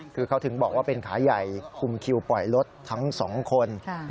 คือเขาถึงบอกว่าเป็นขาใหญ่คุมคิวปล่อยรถทั้ง๒คน